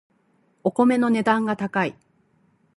お米の値段が高い